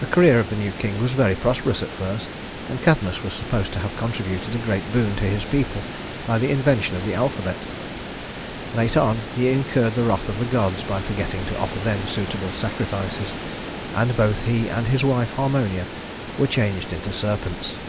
The career of the new king was very prosperous at first, and Cadmus was supposed to have contributed a great boon to his people by the invention of the alphabet. Later on he incurred the wrath of the gods by forgetting to offer them suitable sacrifices, and both he and his wife Harmonia were changed into serpents.